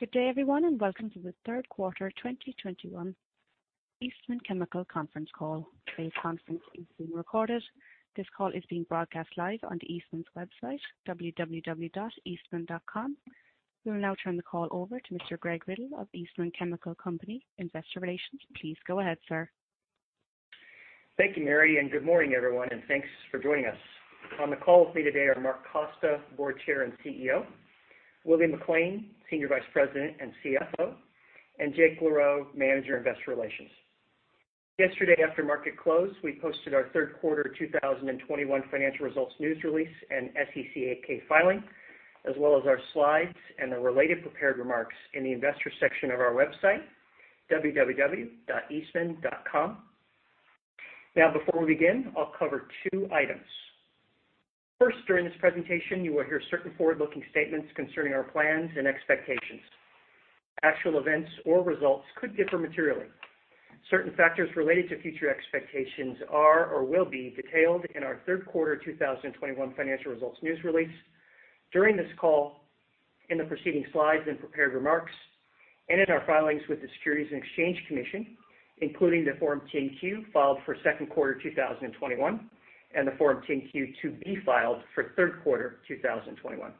Good day, everyone, and welcome to the Q3 2021 Eastman Chemical conference call. Today's conference is being recorded. This call is being broadcast live on Eastman's website, www.eastman.com. We will now turn the call over to Mr. Greg Riddle of Eastman Chemical Company, Investor Relations. Please go ahead, sir. Thank you, Mary, and good morning, everyone, and thanks for joining us. On the call with me today are Mark Costa, Board Chair and CEO, Willie McLain, Senior Vice President and CFO, and Jake LaRoe, Manager, Investor Relations. Yesterday after market close, we posted our Q3 2021 financial results news release and SEC 8-K filing, as well as our slides and the related prepared remarks in the investor section of our website, www.eastman.com. Now before we begin, I'll cover two items. First, during this presentation, you will hear certain forward-looking statements concerning our plans and expectations. Actual events or results could differ materially. Certain factors related to future expectations are or will be detailed in our Q3 2021 financial results news release, during this call in the preceding slides and prepared remarks, and in our filings with the Securities and Exchange Commission, including the Form 10-Q filed for Q2 2021 and the Form 10-Q filed for Q3 2021.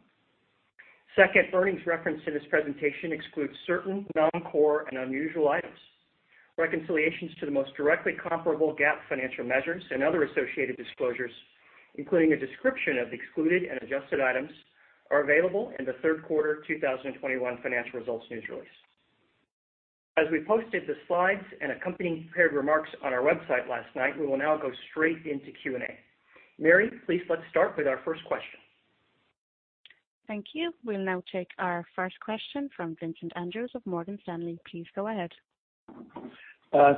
Second, earnings referenced in this presentation excludes certain non-core and unusual items. Reconciliations to the most directly comparable GAAP financial measures and other associated disclosures, including a description of excluded and adjusted items, are available in the Q3 2021 financial results news release. As we posted the slides and accompanying prepared remarks on our website last night, we will now go straight into Q&A. Mary, please let's start with our first question. Thank you. We'll now take our first question from Vincent Andrews of Morgan Stanley. Please go ahead.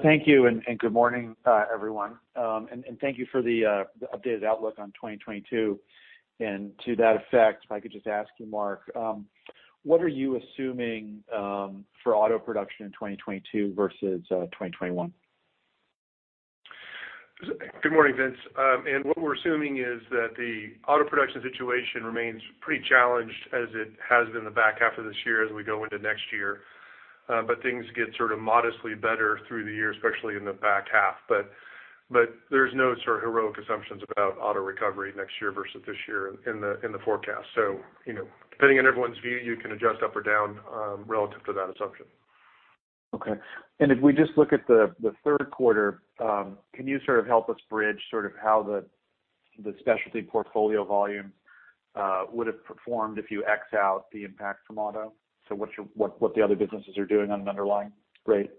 Thank you and good morning, everyone. Thank you for the updated outlook on 2022. To that effect, if I could just ask you, Mark, what are you assuming for auto production in 2022 versus 2021? Good morning, Vince. What we're assuming is that the auto production situation remains pretty challenged as it has been the back half of this year as we go into next year. Things get sort of modestly better through the year, especially in the back half. There's no sort of heroic assumptions about auto recovery next year versus this year in the forecast. You know, depending on everyone's view, you can adjust up or down, relative to that assumption. Okay. If we just look at the Q3, can you sort of help us bridge sort of how the specialty portfolio volume would have performed if you x out the impact from auto? So what the other businesses are doing on an underlying rate?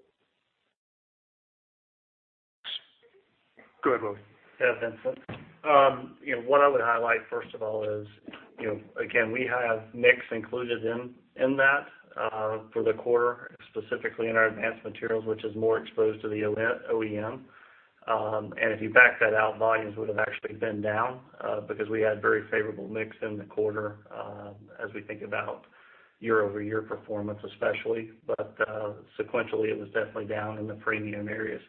Go ahead, Willie. Yeah, Vincent. You know, what I would highlight first of all is, you know, again, we have mix included in that for the quarter, specifically in our Advanced Materials, which is more exposed to the OE-OEM. If you back that out, volumes would have actually been down because we had very favorable mix in the quarter as we think about year-over-year performance, especially. Sequentially, it was definitely down in the premium areas.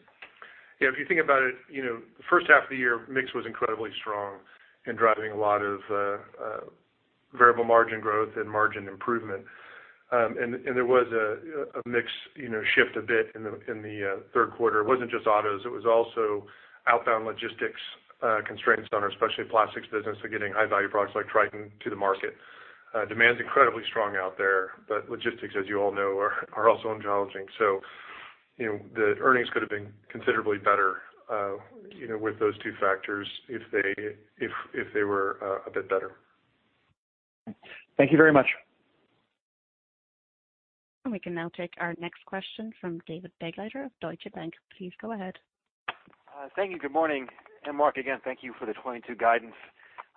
Yeah, if you think about it, you know, first half of the year, mix was incredibly strong in driving a lot of variable margin growth and margin improvement. There was a mix, you know, shift a bit in the Q3. It wasn't just autos; it was also outbound logistics constraints on our specialty plastics business of getting high value products like Tritan to the market. Demand's incredibly strong out there, but logistics, as you all know, are also challenging. You know, the earnings could have been considerably better with those two factors if they were a bit better. Thank you very much. We can now take our next question from David Begleiter of Deutsche Bank. Please go ahead. Thank you. Good morning. Mark, again, thank you for the 2022 guidance.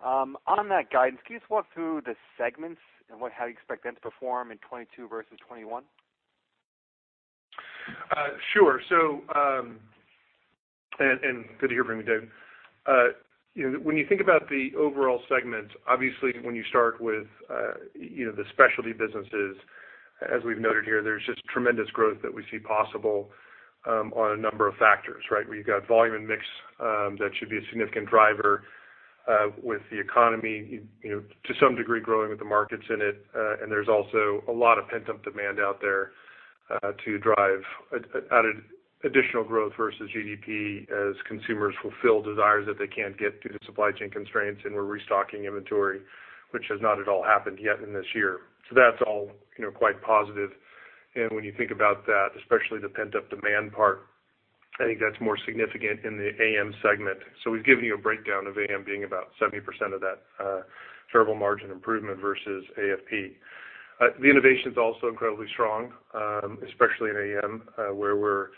On that guidance, can you just walk through the segments and how you expect them to perform in 2022 versus 2021? Sure. Good to hear from you, David. You know, when you think about the overall segments, obviously, when you start with, you know, the specialty businesses, as we've noted here, there's just tremendous growth that we see possible, on a number of factors, right? Where you've got volume and mix, that should be a significant driver, with the economy, you know, to some degree growing with the markets in it. There's also a lot of pent-up demand out there, to drive additional growth versus GDP as consumers fulfill desires that they can't get due to supply chain constraints, and we're restocking inventory, which has not at all happened yet in this year. That's all, you know, quite positive. When you think about that, especially the pent-up demand part, I think that's more significant in the AM segment. We've given you a breakdown of AM being about 70% of that, terrific margin improvement versus AFP. The innovation is also incredibly strong, especially in AM, where we're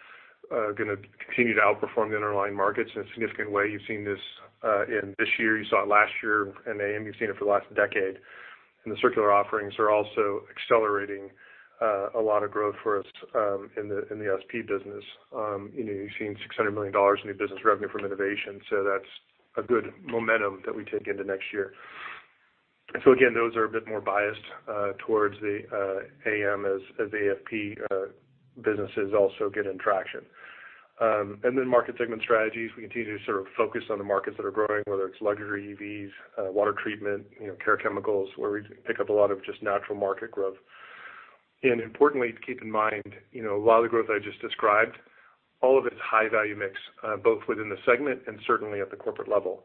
gonna continue to outperform the underlying markets in a significant way. You've seen this in this year, you saw it last year in AM, you've seen it for the last decade. The circular offerings are also accelerating, a lot of growth for us in the SP business. You know, you've seen $600 million new business revenue from innovation. That's a good momentum that we take into next year. Again, those are a bit more biased towards the AM and AFP businesses as they gain traction. Then market segment strategies, we continue to sort of focus on the markets that are growing, whether it's luxury EVs, water treatment, you know, care chemicals, where we pick up a lot of just natural market growth. Importantly, to keep in mind, you know, a lot of the growth I just described, all of it is high-value mix, both within the segment and certainly at the corporate level.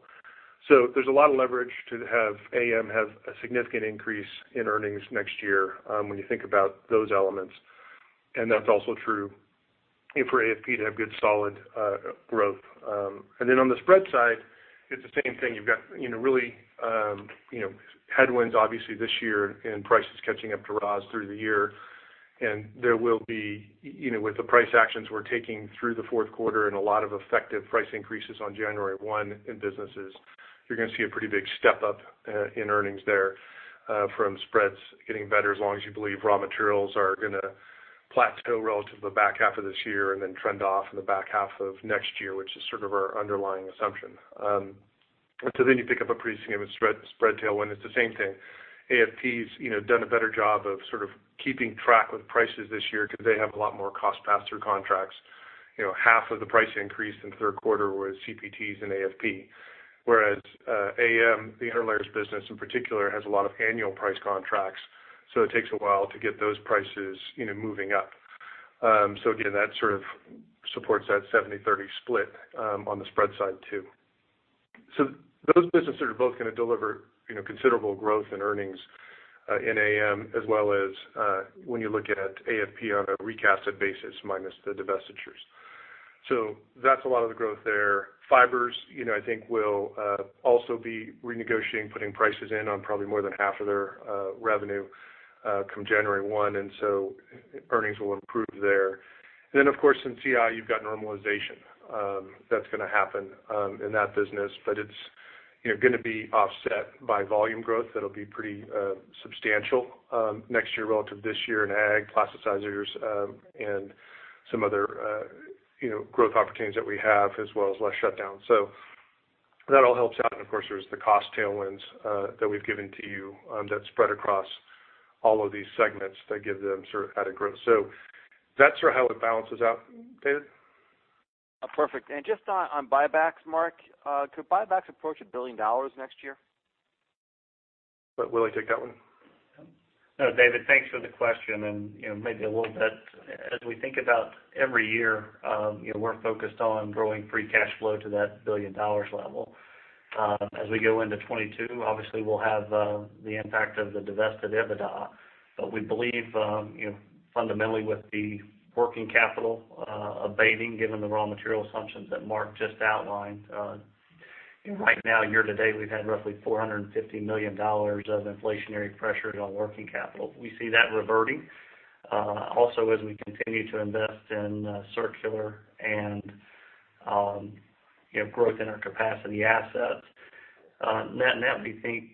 There's a lot of leverage to have AM have a significant increase in earnings next year, when you think about those elements, and that's also true, and for AFP to have good solid growth. Then on the spread side, it's the same thing. You've got, you know, really, headwinds obviously this year and prices catching up to raws through the year. There will be, you know, with the price actions we're taking through the Q4 and a lot of effective price increases on January 1 in businesses, you're gonna see a pretty big step-up in earnings there from spreads getting better as long as you believe raw materials are gonna plateau relative to the back half of this year and then trend off in the back half of next year, which is sort of our underlying assumption. You pick up a pretty significant spread tailwind. It's the same thing. AFP's, you know, done a better job of sort of keeping pace with prices this year because they have a lot more cost pass-through contracts. You know, half of the price increase in Q3 was CPTs and AFP, whereas AM, the interlayers business in particular, has a lot of annual price contracts, so it takes a while to get those prices, you know, moving up. Again, that sort of supports that 70 to 30 split, on the spread side too. Those businesses are both going to deliver, you know, considerable growth in earnings, in AM as well as when you look at AFP on a recasted basis minus the divestitures. That's a lot of the growth there. Fibers, you know, I think will also be renegotiating, putting prices in on probably more than half of their revenue, come January 1, and so earnings will improve there. Then, of course, in CI, you've got normalization that's going to happen in that business. It's, you know, gonna be offset by volume growth that'll be pretty substantial next year relative to this year in ag, plasticizers, and some other you know, growth opportunities that we have as well as less shutdowns. That all helps out. Of course, there's the cost tailwinds that we've given to you that spread across all of these segments that give them sort of added growth. That's sort of how it balances out. David? Perfect. Just on buybacks, Mark, could buybacks approach $1 billion next year? Go ahead, Willie, take that one. No, David, thanks for the question. You know, maybe a little bit as we think about every year, you know, we're focused on growing free cash flow to that $1 billion level. As we go into 2022, obviously, we'll have the impact of the divested EBITDA. We believe, you know, fundamentally with the working capital abating, given the raw material assumptions that Mark just outlined, right now, year to date, we've had roughly $450 million of inflationary pressures on working capital. We see that reverting. Also, as we continue to invest in circular and you know, growth in our capacity assets, net-net, we think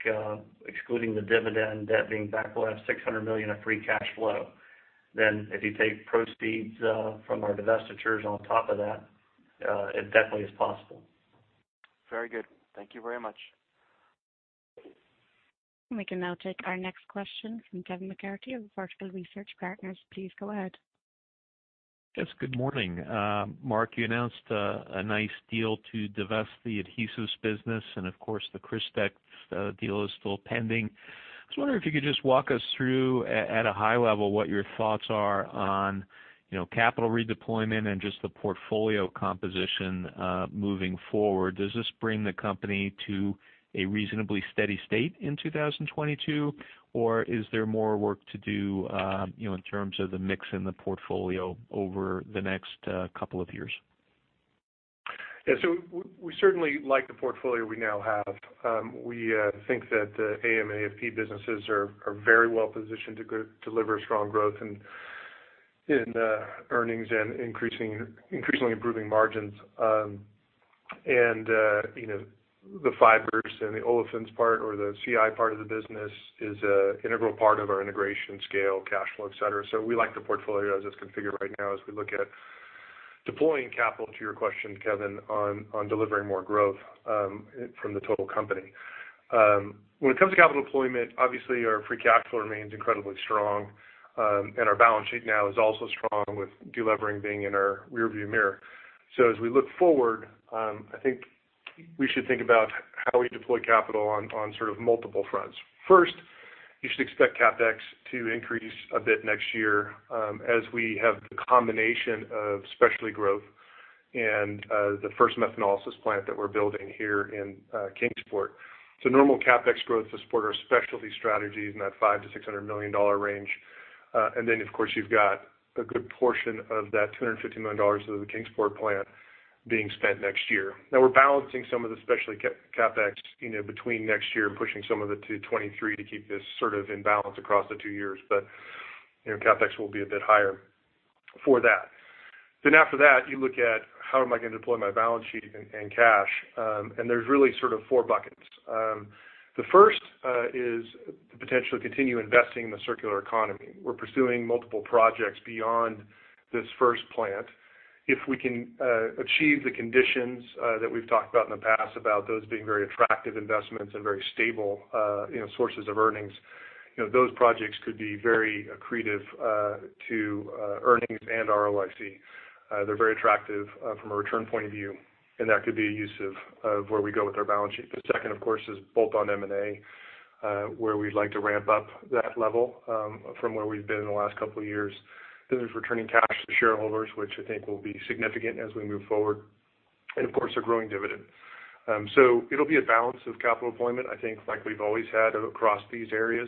excluding the dividend, debt being back, we'll have $600 million of free cash flow. If you take proceeds from our divestitures on top of that, it definitely is possible. Very good. Thank you very much. We can now take our next question from Kevin McCarthy of Vertical Research Partners. Please go ahead. Yes, good morning. Mark, you announced a nice deal to divest the adhesives business, and of course, the Crystex deal is still pending. I was wondering if you could just walk us through at a high level what your thoughts are on, you know, capital redeployment and just the portfolio composition moving forward. Does this bring the company to a reasonably steady state in 2022, or is there more work to do, you know, in terms of the mix in the portfolio over the next couple of years? Yeah. We certainly like the portfolio we now have. We think that AM and AFP businesses are very well positioned to deliver strong growth in earnings and increasingly improving margins. You know, the fibers and the olefins part or the CI part of the business is an integral part of our integration scale, cash flow, et cetera. We like the portfolio as it's configured right now as we look at deploying capital, to your question, Kevin, on delivering more growth from the total company. When it comes to capital deployment, obviously our free capital remains incredibly strong, and our balance sheet now is also strong with delevering being in our rearview mirror. As we look forward, I think we should think about how we deploy capital on sort of multiple fronts. First, you should expect CapEx to increase a bit next year, as we have the combination of specialty growth and the first methanolysis plant that we're building here in Kingsport. Normal CapEx growth to support our specialty strategies in that $500 to 600 million range. And then, of course, you've got a good portion of that $250 million of the Kingsport plant being spent next year. Now we're balancing some of the specialty CapEx, you know, between next year and pushing some of it to 2023 to keep this sort of in balance across the two years. You know, CapEx will be a bit higher for that. After that, you look at how am I gonna deploy my balance sheet and cash? There's really sort of four buckets. The first is the potential to continue investing in the circular economy. We're pursuing multiple projects beyond this first plant. If we can achieve the conditions that we've talked about in the past about those being very attractive investments and very stable, you know, sources of earnings. You know, those projects could be very accretive to earnings and ROIC. They're very attractive from a return point of view, and that could be a use of where we go with our balance sheet. The second, of course, is bolt-on M&A, where we'd like to ramp up that level from where we've been in the last couple of years. There's returning cash to shareholders, which I think will be significant as we move forward, and of course, a growing dividend. It'll be a balance of capital deployment, I think, like we've always had across these areas.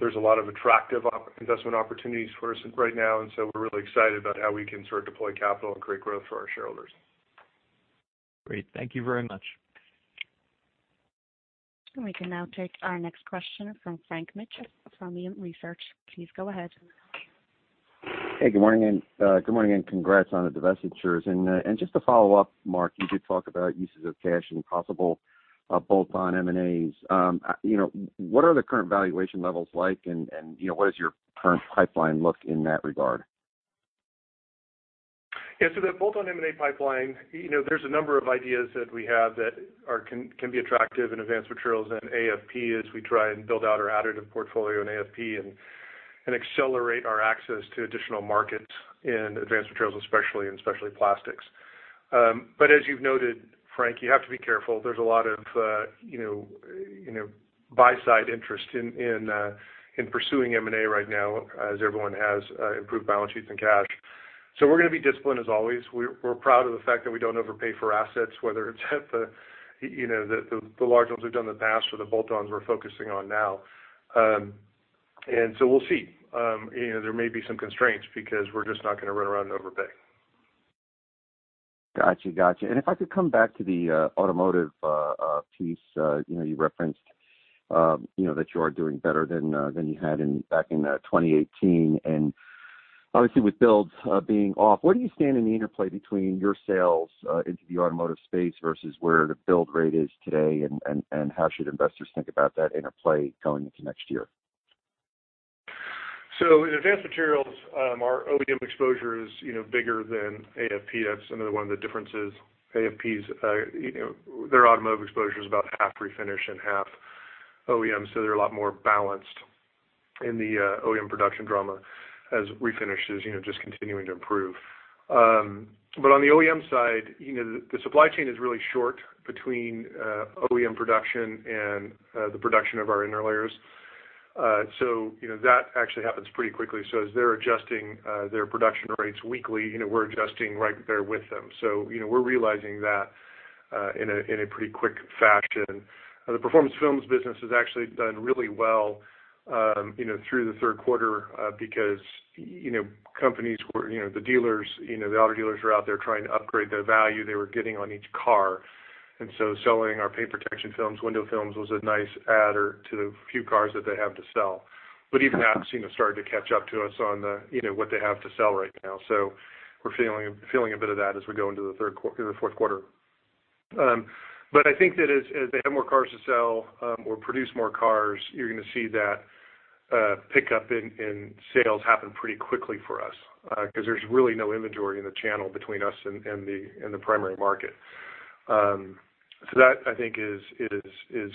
There's a lot of attractive investment opportunities for us right now, and we're really excited about how we can sort of deploy capital and create growth for our shareholders. Great. Thank you very much. We can now take our next question from Frank Mitsch of Fermium Research. Please go ahead. Hey, good morning, and congrats on the divestitures. Just to follow up, Mark, you did talk about uses of cash and possible bolt-on M&As. You know, what are the current valuation levels like, and you know, what does your current pipeline look like in that regard? The bolt-on M&A pipeline, you know, there's a number of ideas that we have that can be attractive in Advanced Materials and AFP as we try and build out our additive portfolio in AFP and accelerate our access to additional markets in Advanced Materials especially, and especially plastics. But as you've noted, Frank, you have to be careful. There's a lot of you know buy side interest in pursuing M&A right now as everyone has improved balance sheets and cash. We're gonna be disciplined as always. We're proud of the fact that we don't overpay for assets, whether it's at the you know the large ones we've done in the past or the bolt-ons we're focusing on now. We'll see. You know, there may be some constraints because we're just not gonna run around and overpay. Got you. If I could come back to the automotive piece, you know, you referenced, you know, that you are doing better than you had back in 2018. Obviously with builds being off, where do you stand in the interplay between your sales into the automotive space versus where the build rate is today, and how should investors think about that interplay going into next year? In Advanced Materials, our OEM exposure is, you know, bigger than AFP. That's another one of the differences. AFP's, you know, their automotive exposure is about half refinish and half OEM, so they're a lot more balanced in the OEM production drama as refinish is, you know, just continuing to improve. On the OEM side, you know, the supply chain is really short between OEM production and the production of our interlayers. You know, that actually happens pretty quickly. As they're adjusting their production rates weekly, you know, we're adjusting right there with them. You know, we're realizing that in a pretty quick fashion. The Performance Films business has actually done really well, you know, through the Q3, because, you know, companies were, you know, the dealers, you know, the auto dealers were out there trying to upgrade the value they were getting on each car. Selling our paint protection films, window films was a nice adder to the few cars that they have to sell. Even that's, you know, started to catch up to us on the, you know, what they have to sell right now. We're feeling a bit of that as we go into the Q4. I think that as they have more cars to sell or produce more cars, you're gonna see that pickup in sales happen pretty quickly for us, 'cause there's really no inventory in the channel between us and the primary market. That I think is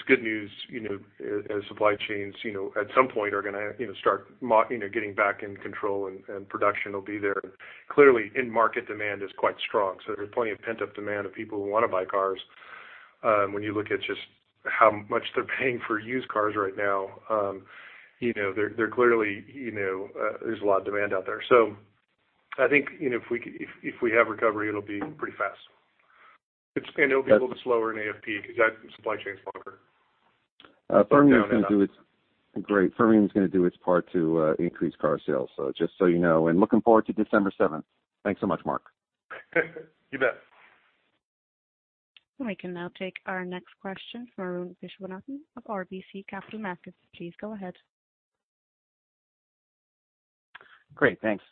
good news, you know, as supply chains, you know, at some point are gonna, you know, start getting back in control and production will be there. Clearly, end market demand is quite strong, so there's plenty of pent-up demand of people who wanna buy cars. When you look at just how much they're paying for used cars right now, you know, they're clearly, you know, there's a lot of demand out there. I think, you know, if we have recovery, it'll be pretty fast. It's a little bit slower in AFP 'cause that supply chain is longer. Uh, Fermium is gonna do its- down and up. Great. Fermium is gonna do its part to increase car sales. So just so you know. Looking forward to December seventh. Thanks so much, Mark. You bet. We can now take our next question from Viswanathan of RBC Capital Markets. Please go ahead. Great. Thanks.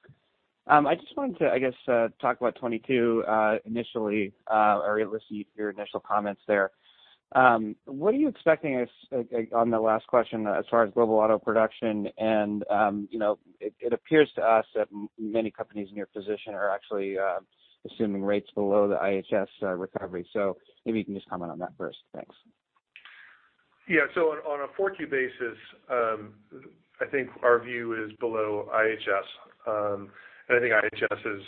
I just wanted to, I guess, talk about 2022 initially, or at least your initial comments there. What are you expecting as on the last question as far as global auto production? And you know, it appears to us that many companies in your position are actually assuming rates below the IHS recovery. So maybe you can just comment on that first. Thanks. Yeah. On a 4Q basis, I think our view is below IHS. I think IHS is,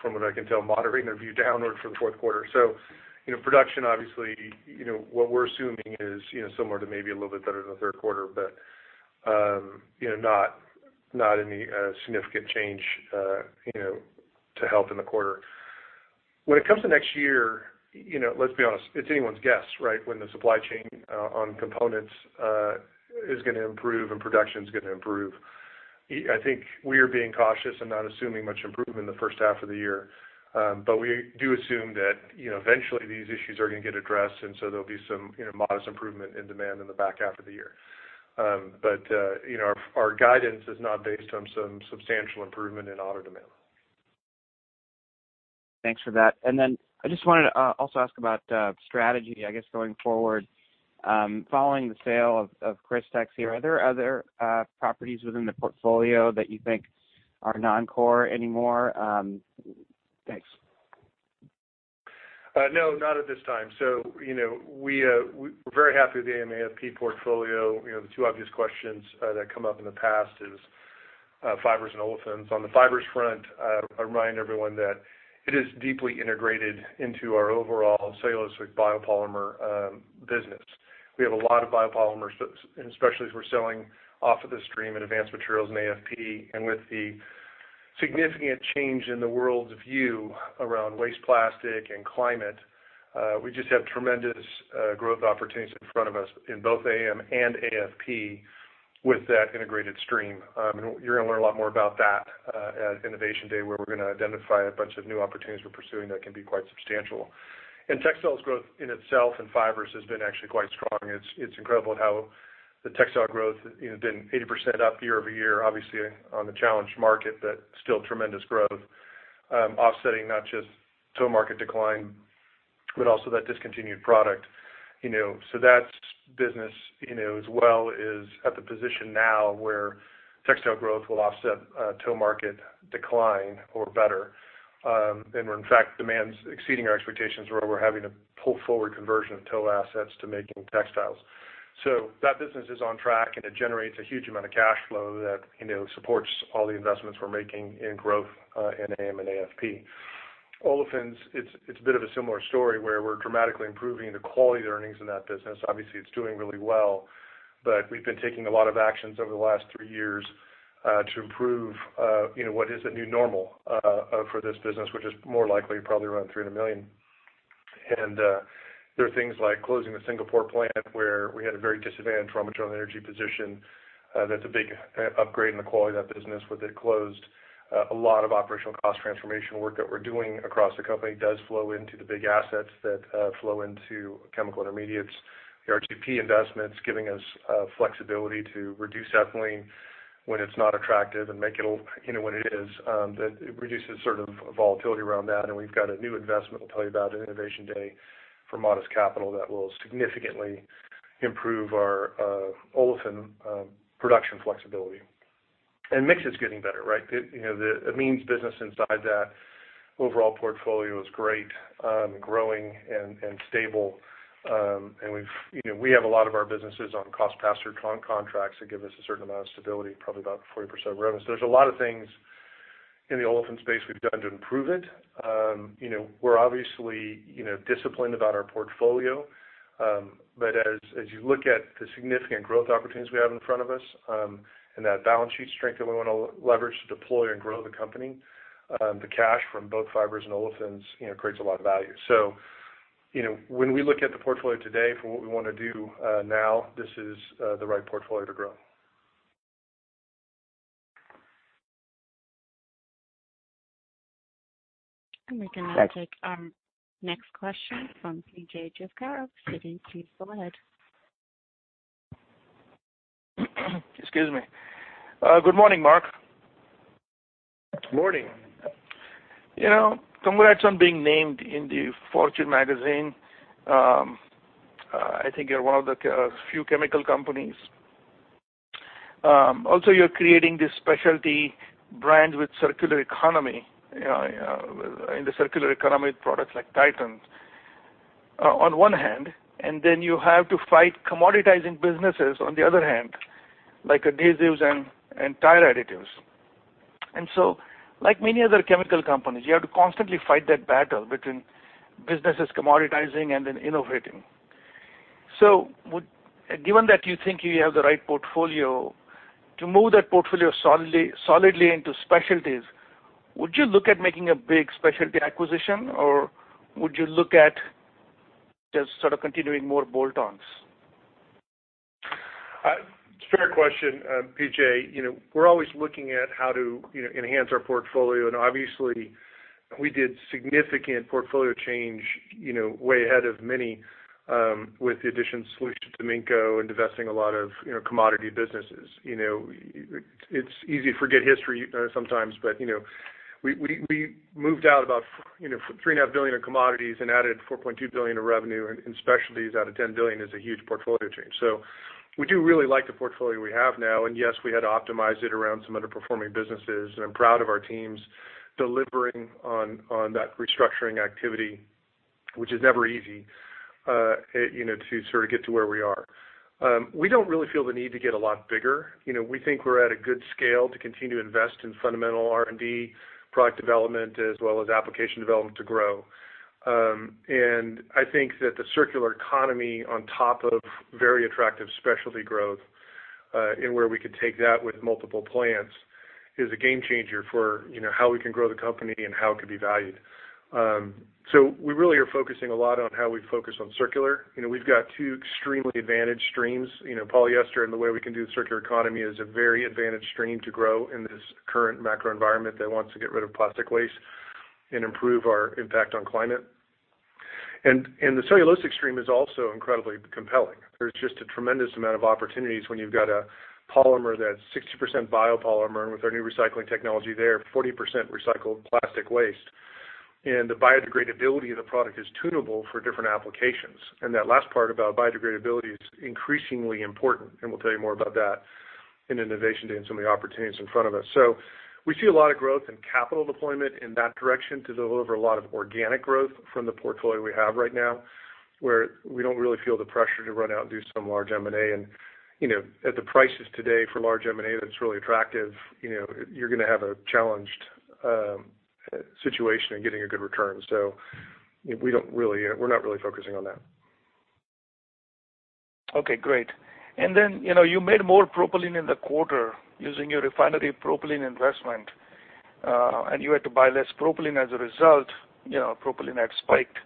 from what I can tell, moderating their view downward for the Q4. Production obviously, you know, what we're assuming is, you know, similar to maybe a little bit better than the Q3, but, you know, not any significant change, you know, to help in the quarter. When it comes to next year, you know, let's be honest, it's anyone's guess, right? When the supply chain on components is gonna improve and production's gonna improve. I think we are being cautious and not assuming much improvement in the first half of the year. We do assume that, you know, eventually these issues are gonna get addressed, and so there'll be some, you know, modest improvement in demand in the back half of the year. You know, our guidance is not based on some substantial improvement in auto demand. Thanks for that. I just wanted to also ask about strategy, I guess, going forward. Following the sale of Crystex here, are there other properties within the portfolio that you think are non-core anymore? Thanks. No, not at this time. You know, we're very happy with the AM/AFP portfolio. You know, the two obvious questions that come up in the past is fibers and olefins. On the fibers front, I remind everyone that it is deeply integrated into our overall cellulosic biopolymers business. We have a lot of biopolymers, especially as we're selling off of the stream in Advanced Materials and AFP. With the significant change in the world's view around waste plastic and climate, we just have tremendous growth opportunities in front of us in both AM and AFP with that integrated stream. You're gonna learn a lot more about that at Innovation Day, where we're gonna identify a bunch of new opportunities we're pursuing that can be quite substantial. Textiles growth in itself and fibers has been actually quite strong. It's incredible how the textile growth, you know, been 80% up year-over-year, obviously on the challenged market, but still tremendous growth, offsetting not just tow market decline, but also that discontinued product, you know. That's business, you know, as well is at the position now where textile growth will offset, tow market decline or better, and where in fact, demand's exceeding our expectations, where we're having to pull forward conversion of tow assets to making textiles. That business is on track, and it generates a huge amount of cash flow that, you know, supports all the investments we're making in growth in AM and AFP. Olefins, it's a bit of a similar story, where we're dramatically improving the quality of the earnings in that business. Obviously, it's doing really well, but we've been taking a lot of actions over the last three years to improve, you know, what is a new normal for this business, which is more likely probably around $300 million. There are things like closing the Singapore plant where we had a very disadvantaged raw material and energy position, that's a big upgrade in the quality of that business with it closed. A lot of operational cost transformation work that we're doing across the company does flow into the big assets that flow into Chemical Intermediates. The RGP investment's giving us flexibility to reduce ethylene when it's not attractive and make propylene, you know, when it is, that it reduces sort of volatility around that. We've got a new investment we'll tell you about at Innovation Day for modest capital that will significantly improve our olefin production flexibility. Mix is getting better, right? The you know the amines business inside that overall portfolio is great, growing and stable. We've you know we have a lot of our businesses on cost pass-through contracts that give us a certain amount of stability, probably about 40% of revenues. There's a lot of things in the olefin space we've done to improve it. You know we're obviously you know disciplined about our portfolio. As you look at the significant growth opportunities we have in front of us, and that balance sheet strength that we wanna leverage to deploy and grow the company, the cash from both fibers and olefins, you know, creates a lot of value. You know, when we look at the portfolio today for what we wanna do, now, this is the right portfolio to grow. We're gonna take our next question from PJ Juvekar of Citi. PJ, go ahead. Excuse me. Good morning, Mark. Morning. You know, congrats on being named in the Fortune magazine. I think you're one of the few chemical companies. Also, you're creating these specialty brands with circular economy, you know, in the circular economy products like Tritan, on one hand, and then you have to fight commoditizing businesses on the other hand, like adhesives and tire additives. Like many other chemical companies, you have to constantly fight that battle between businesses commoditizing and then innovating. Given that you think you have the right portfolio to move that portfolio solidly into specialties, would you look at making a big specialty acquisition, or would you look at just sort of continuing more bolt-ons? It's a fair question, PJ. You know, we're always looking at how to, you know, enhance our portfolio. Obviously, we did significant portfolio change, you know, way ahead of many, with the addition of Solutia to Taminco and divesting a lot of, you know, commodity businesses. You know, it's easy to forget history, sometimes, but, you know, we moved out about $3.5 billion of commodities and added $4.2 billion of revenue in specialties out of $10 billion is a huge portfolio change. We do really like the portfolio we have now. Yes, we had to optimize it around some underperforming businesses. I'm proud of our teams delivering on that restructuring activity, which is never easy, you know, to sort of get to where we are. We don't really feel the need to get a lot bigger. You know, we think we're at a good scale to continue to invest in fundamental R&D, product development, as well as application development to grow. I think that the circular economy on top of very attractive specialty growth, and where we could take that with multiple plans is a game changer for, you know, how we can grow the company and how it could be valued. We really are focusing a lot on how we focus on circular. You know, we've got two extremely advantaged streams. You know, polyester and the way we can do the circular economy is a very advantaged stream to grow in this current macro environment that wants to get rid of plastic waste and improve our impact on climate. The cellulosic stream is also incredibly compelling. There's just a tremendous amount of opportunities when you've got a polymer that's 60% biopolymer, and with our new recycling technology there, 40% recycled plastic waste. The biodegradability of the product is tunable for different applications. That last part about biodegradability is increasingly important, and we'll tell you more about that in Innovation Day and some of the opportunities in front of us. We see a lot of growth in capital deployment in that direction to deliver a lot of organic growth from the portfolio we have right now, where we don't really feel the pressure to run out and do some large M&A. You know, at the prices today for large M&A, that's really attractive. You know, you're gonna have a challenged situation in getting a good return. We're not really focusing on that. Okay, great. You know, you made more propylene in the quarter using your refinery propylene investment, and you had to buy less propylene as a result, you know, propylene had spiked.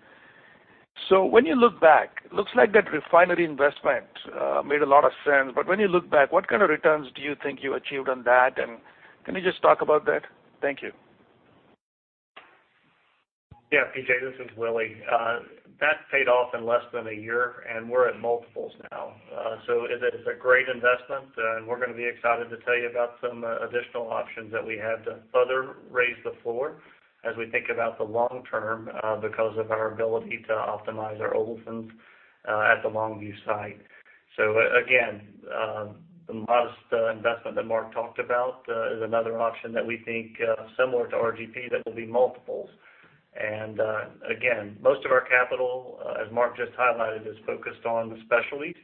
When you look back, looks like that refinery investment made a lot of sense. When you look back, what kind of returns do you think you achieved on that? Can you just talk about that? Thank you. Yeah, PJ, this is Willie. That paid off in less than a year, and we're at multiples now. It's a great investment, and we're gonna be excited to tell you about some additional options that we have to further raise the floor as we think about the long term, because of our ability to optimize our ovens at the Longview site. Again, the modest investment that Mark talked about is another option that we think similar to RGP that will be multiples. Again, most of our capital, as Mark just highlighted, is focused on the specialties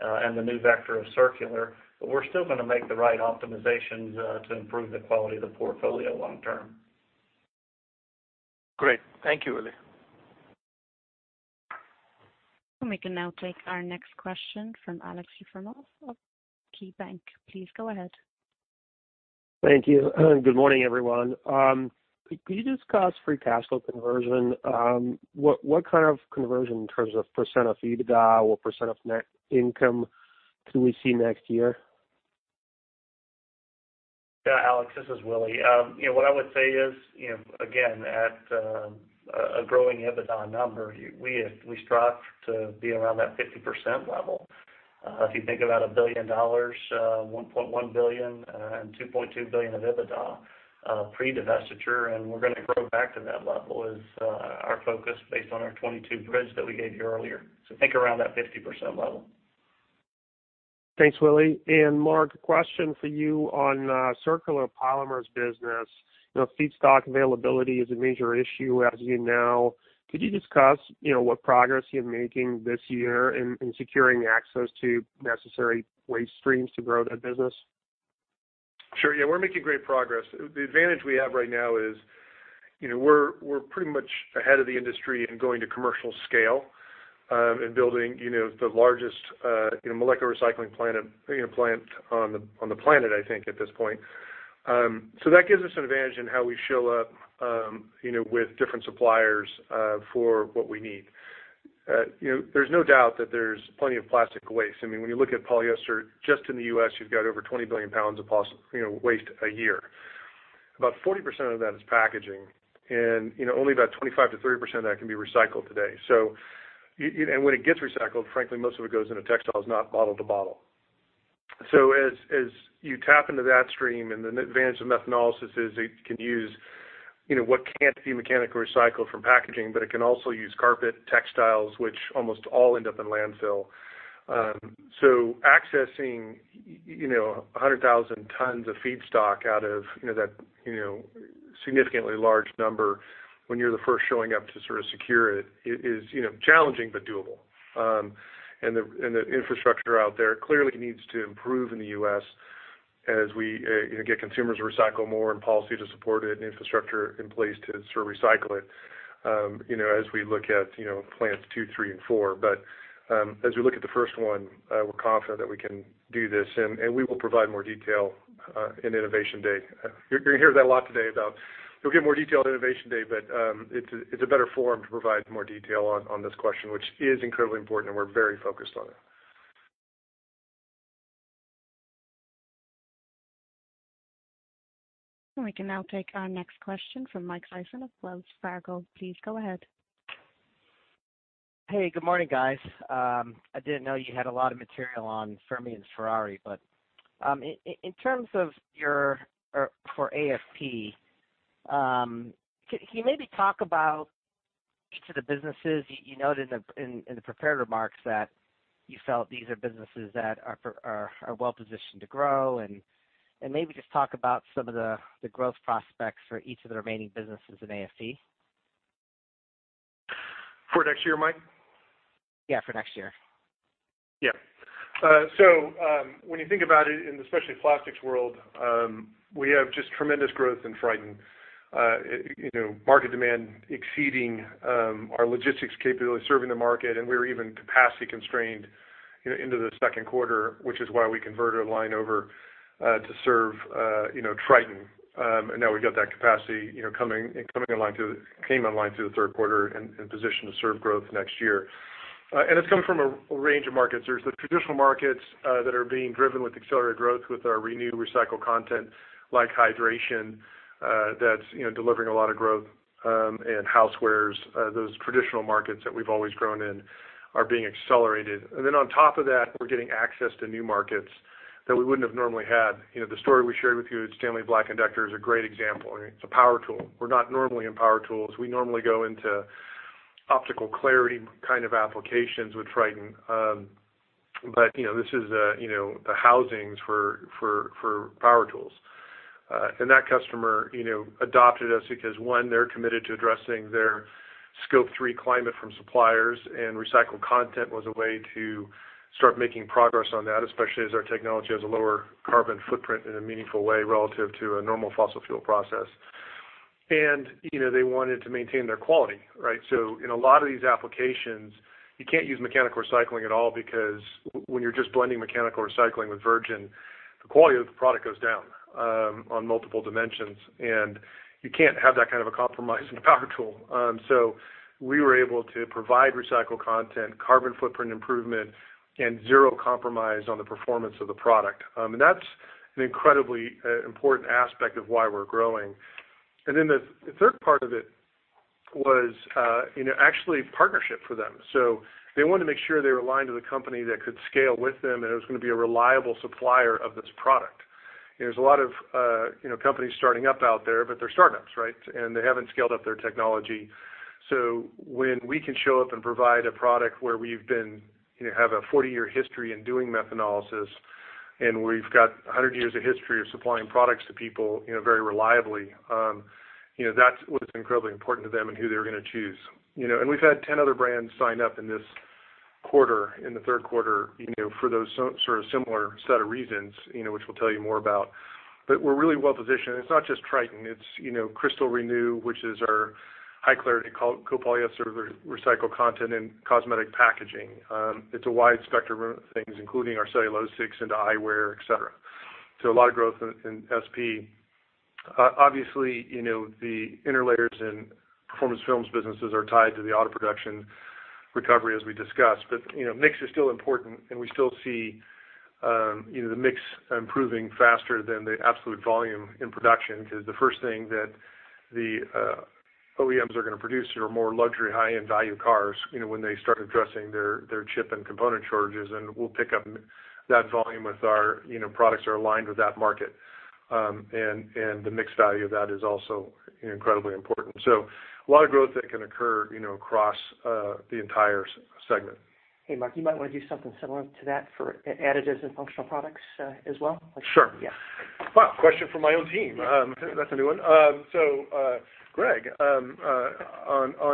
and the new vector of circular, but we're still gonna make the right optimizations to improve the quality of the portfolio long term. Great. Thank you, Willie. We can now take our next question from Aleksey Yefremov of KeyBanc. Please go ahead. Thank you. Good morning, everyone. Could you discuss free cash flow conversion? What kind of conversion in terms of % of EBITDA, what % of net income could we see next year? Yeah, Aleksey, this is Willie. You know what I would say is, you know, again, at a growing EBITDA number, we strive to be around that 50% level. If you think about $1 billion, $1.1 billion and $2.2 billion of EBITDA, pre-divestiture, and we're gonna grow back to that level is our focus based on our 2022 bridge that we gave you earlier. Think around that 50% level. Thanks, Willie. Mark, a question for you on circular polymers business. You know, feedstock availability is a major issue, as you know. Could you discuss, you know, what progress you're making this year in securing access to necessary waste streams to grow that business? Sure. Yeah, we're making great progress. The advantage we have right now is, you know, we're pretty much ahead of the industry in going to commercial scale in building, you know, the largest molecular recycling plant, you know, plant on the planet, I think, at this point. So that gives us an advantage in how we show up, you know, with different suppliers for what we need. You know, there's no doubt that there's plenty of plastic waste. I mean, when you look at polyester just in the US, you've got over 20 billion pounds of plastic waste a year. About 40% of that is packaging, and, you know, only about 25% to 30% of that can be recycled today. Yeah, and when it gets recycled, frankly, most of it goes into textiles, not bottle-to-bottle. As you tap into that stream, and the advantage of methanolysis is it can use, you know, what can't be mechanically recycled from packaging, but it can also use carpet, textiles, which almost all end up in landfill. Accessing, you know, 100,000 tons of feedstock out of, you know, that significantly large number when you're the first showing up to sort of secure it is, you know, challenging but doable. The infrastructure out there clearly needs to improve in the US as we, you know, get consumers to recycle more and policy to support it and infrastructure in place to sort of recycle it, you know, as we look at, you know, plants 2, 3, and 4. As we look at the first one, we're confident that we can do this. We will provide more detail in Innovation Day. You're going to hear that a lot today about you'll get more detail at Innovation Day, it's a better forum to provide more detail on this question, which is incredibly important, and we're very focused on it. We can now take our next question from Mike Sison of Wells Fargo. Please go ahead. Hey, good morning, guys. I didn't know you had a lot of material on AM and AFP, but in terms of AFP, can you maybe talk about each of the businesses? You noted in the prepared remarks that you felt these are businesses that are well positioned to grow, and maybe just talk about some of the growth prospects for each of the remaining businesses in AFP. For next year, Mike? Yeah, for next year. When you think about it in the specialty plastics world, we have just tremendous growth in Tritan. You know, market demand exceeding our logistics capability serving the market, and we're even capacity constrained, you know, into the Q2, which is why we converted a line over to serve Tritan. Now we've got that capacity coming online through the Q3 and positioned to serve growth next year. It's coming from a range of markets. There are the traditional markets that are being driven with accelerated growth with our renewed recycled content like hydration that's delivering a lot of growth, and housewares, those traditional markets that we've always grown in are being accelerated. on top of that, we're getting access to new markets that we wouldn't have normally had. You know, the story we shared with you at Stanley Black & Decker is a great example. It's a power tool. We're not normally in power tools. We normally go into optical clarity kind of applications with Tritan. but you know this is a you know the housings for power tools. that customer you know adopted us because one they're committed to addressing their Scope 3 climate from suppliers, and recycled content was a way to start making progress on that, especially as our technology has a lower carbon footprint in a meaningful way relative to a normal fossil fuel process. you know they wanted to maintain their quality right? In a lot of these applications, you can't use mechanical recycling at all because when you're just blending mechanical recycling with virgin, the quality of the product goes down on multiple dimensions, and you can't have that kind of a compromise in a power tool. We were able to provide recycled content, carbon footprint improvement, and zero compromise on the performance of the product. That's an incredibly important aspect of why we're growing. Then the third part of it was, you know, actually partnership for them. They wanted to make sure they were aligned with a company that could scale with them, and it was gonna be a reliable supplier of this product. There's a lot of, you know, companies starting up out there, but they're startups, right? They haven't scaled up their technology. When we can show up and provide a product where we've been, you know, have a 40-year history in doing methanolysis, and we've got 100 years of history of supplying products to people, you know, very reliably, you know, that's what's incredibly important to them and who they're gonna choose. You know, and we've had 10 other brands sign up in this quarter, in the Q3, you know, for those sort of similar set of reasons, you know, which we'll tell you more about. We're really well positioned, and it's not just Tritan, it's, you know, Cristal Renew, which is our high clarity copolyester recycled content in cosmetic packaging. It's a wide spectrum of things, including our cellulosics into eyewear, et cetera. A lot of growth in SP. Obviously, you know, the interlayers and Performance Films businesses are tied to the auto production recovery, as we discussed. You know, mix is still important, and we still see, you know, the mix improving faster than the absolute volume in production because the first thing that the OEMs are gonna produce are more luxury high-end value cars, you know, when they start addressing their chip and component shortages, and we'll pick up that volume with our, you know, products that are aligned with that market. The mix value of that is also incredibly important. A lot of growth that can occur, you know, across the entire segment. Hey, Mark, you might want to do something similar to that for Additives and Functional Products as well. Sure. Yeah. Wow. Question from my own team. That's a new one. Greg, on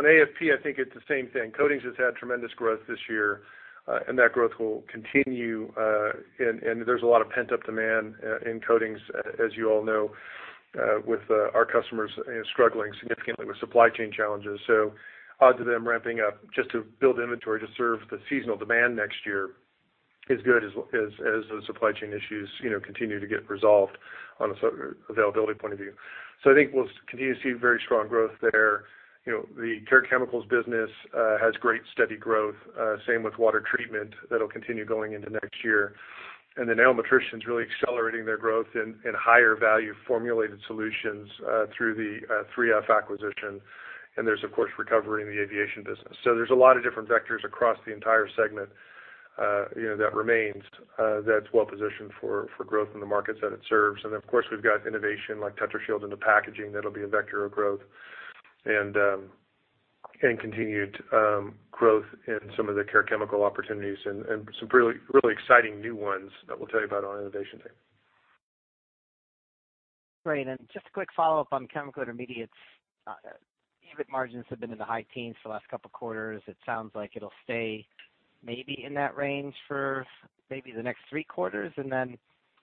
AFP, I think it's the same thing. Coatings has had tremendous growth this year, and that growth will continue, and there's a lot of pent-up demand in coatings, as you all know, with our customers struggling significantly with supply chain challenges. Odds of them ramping up just to build inventory to serve the seasonal demand next year is good as the supply chain issues, you know, continue to get resolved on availability point of view. I think we'll continue to see very strong growth there. You know, the Care Chemicals business has great steady growth, same with Water Treatment. That'll continue going into next year. Animal Nutrition's really accelerating their growth in higher value formulated solutions through the 3F acquisition, and there's of course recovery in the aviation business. There's a lot of different vectors across the entire segment, you know, that's well positioned for growth in the markets that it serves. Of course, we've got innovation like Tetrashield into packaging that'll be a vector of growth and continued growth in some of the care chemical opportunities and some really exciting new ones that we'll tell you about on Innovation Day. Great. Just a quick follow-up on chemical intermediates. EBIT margins have been in the high teens for the last couple quarters. It sounds like it'll stay maybe in that range for maybe the next three quarters.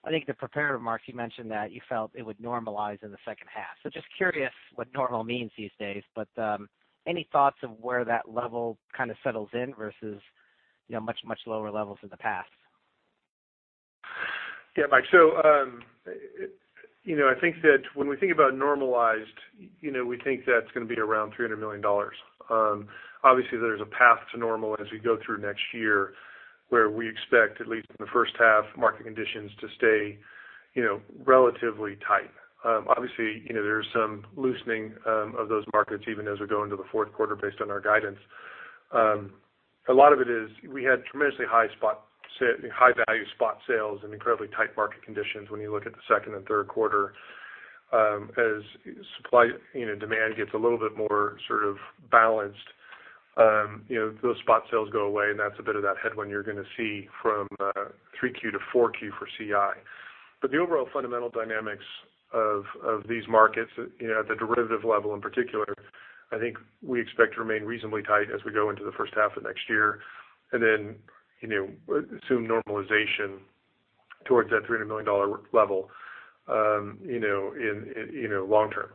I think the prepared remarks, you mentioned that you felt it would normalize in the second half. Just curious what normal means these days. Any thoughts of where that level kind of settles in versus, you know, much, much lower levels in the past? Yeah, Mike. You know, I think that when we think about normalized, you know, we think that's going to be around $300 million. Obviously, there's a path to normal as we go through next year, where we expect at least in the first half, market conditions to stay, you know, relatively tight. Obviously, you know, there's some loosening of those markets even as we go into the Q4 based on our guidance. A lot of it is we had tremendously high value spot sales and incredibly tight market conditions when you look at the second and Q3. As supply, you know, demand gets a little bit more sort of balanced, you know, those spot sales go away, and that's a bit of that headwind you're going to see from 3Q to 4Q for CI. The overall fundamental dynamics of these markets, you know, at the derivative level in particular, I think we expect to remain reasonably tight as we go into the first half of next year. Then, you know, assume normalization towards that $300 million level, you know, in you know, long term.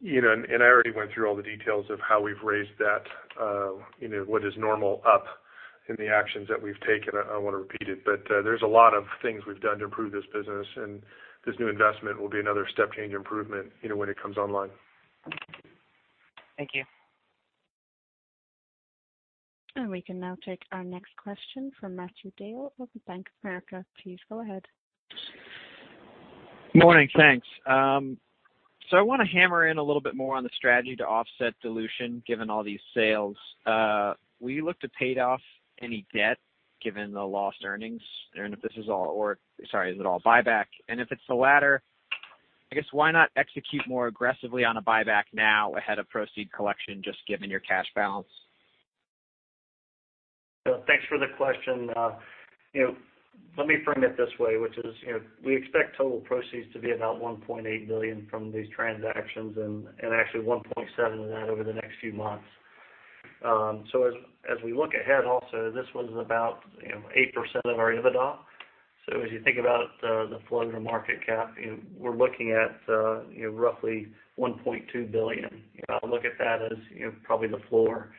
You know, I already went through all the details of how we've raised that, you know, what is normal up in the actions that we've taken. I don't want to repeat it, but there's a lot of things we've done to improve this business, and this new investment will be another step change improvement, you know, when it comes online. Thank you. We can now take our next question from Matthew DeYoe of Bank of America Securities. Please go ahead. Morning, thanks. I want to hammer in a little bit more on the strategy to offset dilution given all these sales. Will you look to pay off any debt given the lost earnings? Is it all buyback? If it's the latter, I guess, why not execute more aggressively on a buyback now ahead of proceeds collection just given your cash balance? Thanks for the question. You know, let me frame it this way, which is, you know, we expect total proceeds to be about $1.8 billion from these transactions and actually $1.7 billion of that over the next few months. As we look ahead also, this was about, you know, 8% of our EBITDA. As you think about the flow through market cap, you know, we're looking at, you know, roughly $1.2 billion. I look at that as, you know, probably the floor.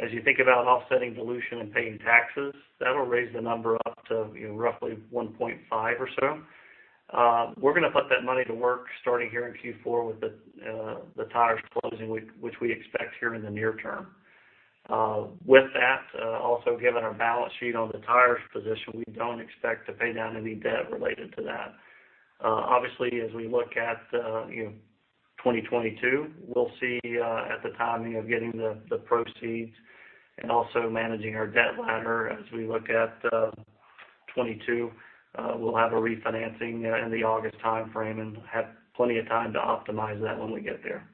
As you think about offsetting dilution and paying taxes, that'll raise the number up to, you know, roughly $1.5 billion or so. We're gonna put that money to work starting here in Q4 with the tires closing, which we expect here in the near term. With that, also given our balance sheet on the tires position, we don't expect to pay down any debt related to that. Obviously, as we look at, you know, 2022, we'll see at the timing of getting the proceeds and also managing our debt ladder. As we look at 2022, we'll have a refinancing in the August time frame and have plenty of time to optimize that when we get there.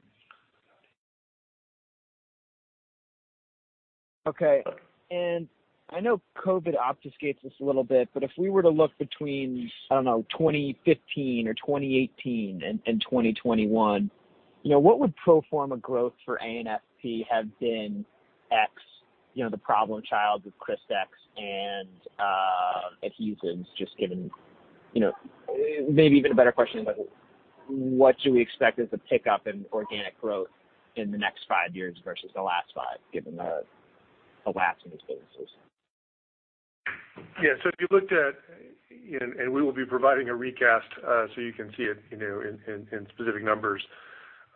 Okay. I know COVID obfuscates this a little bit, but if we were to look between, I don't know, 2015 or 2018 and 2021, you know, what would pro forma growth for AM/AFP have been ex, you know, the problem child with Crystex and adhesives just given, you know. Maybe even a better question, but what should we expect as a pickup in organic growth in the next five years versus the last five, given the lapse in expenses. Yeah. If you looked at, you know, and we will be providing a recast, so you can see it, you know, in specific numbers.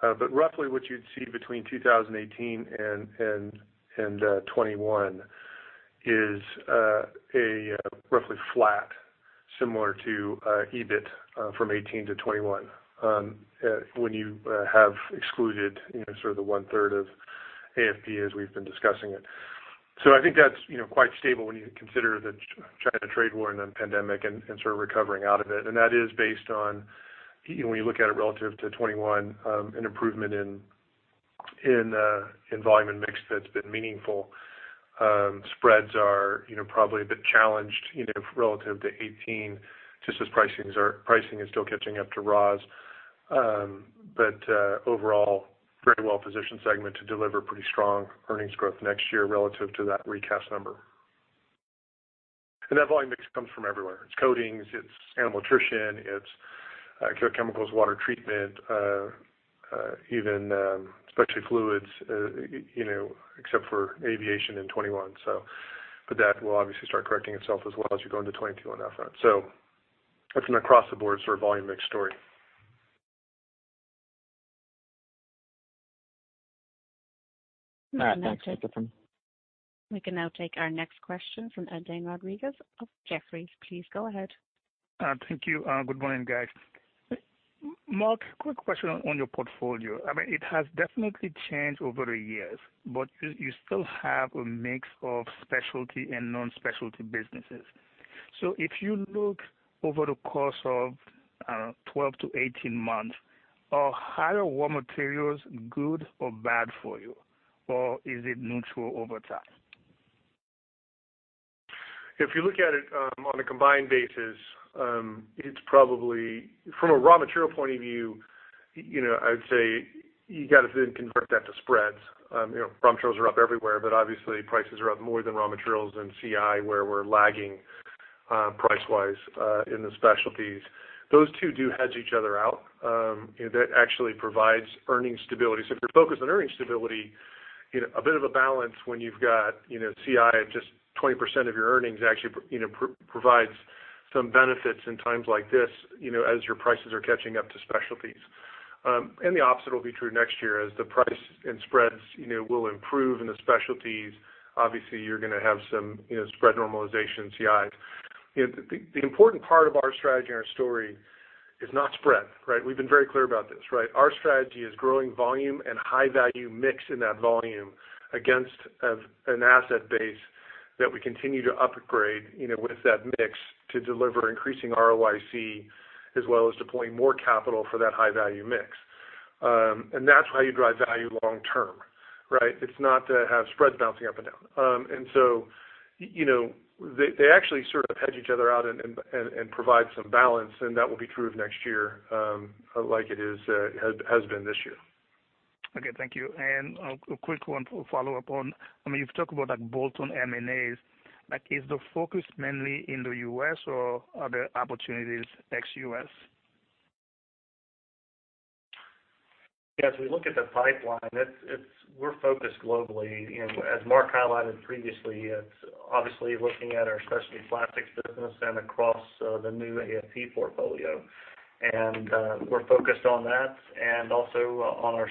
But roughly what you'd see between 2018 and 2021 is a roughly flat similar to EBIT from 2018 to 2021, when you have excluded, you know, sort of the one-third of AFP as we've been discussing it. I think that's, you know, quite stable when you consider the China trade war and then pandemic and sort of recovering out of it. That is based on, you know, when you look at it relative to 2021, an improvement in volume and mix that's been meaningful. Spreads are, you know, probably a bit challenged, you know, relative to 2018 just as pricing is still catching up to raws. Overall, very well-positioned segment to deliver pretty strong earnings growth next year relative to that recast number. That volume mix comes from everywhere. It's coatings, it's Animal Nutrition, it's chemicals, water treatment, even specialty fluids, you know, except for aviation in 2021. That will obviously start correcting itself as well as you go into 2022 on that front. It's an across the board sort of volume mix story. All right. Thanks, Jonathan. We can now take our next question from Laurence Alexander of Jefferies. Please go ahead. Thank you. Good morning, guys. Mark, quick question on your portfolio. I mean, it has definitely changed over the years, but you still have a mix of specialty and non-specialty businesses. If you look over the course of, I don't know, 12-18 months, are higher raw materials good or bad for you, or is it neutral over time? If you look at it, on a combined basis, it's probably from a raw material point of view, you know, I would say you got to then convert that to spreads. You know, raw materials are up everywhere, but obviously prices are up more than raw materials in CI, where we're lagging, price-wise, in the specialties. Those two do hedge each other out. That actually provides earnings stability. If you're focused on earnings stability, you know, a bit of a balance when you've got, you know, CI at just 20% of your earnings actually provides some benefits in times like this, you know, as your prices are catching up to specialties. The opposite will be true next year as the price and spreads, you know, will improve in the specialties. Obviously, you're gonna have some, you know, spread normalization in CI. You know, the important part of our strategy and our story is not spread, right? We've been very clear about this, right? Our strategy is growing volume and high value mix in that volume against of an asset base that we continue to upgrade, you know, with that mix to deliver increasing ROIC, as well as deploying more capital for that high value mix. That's how you drive value long term, right? It's not to have spreads bouncing up and down. You know, they actually sort of hedge each other out and provide some balance, and that will be true of next year, like it is, has been this year. Okay. Thank you. A quick follow-up on, I mean, you've talked about like bolt-on M&As. Like, is the focus mainly in the US or are there opportunities ex-US? Yeah. As we look at the pipeline, we're focused globally. As Mark highlighted previously, it's obviously looking at our specialty plastics business and across the new AFP portfolio. We're focused on that and also on our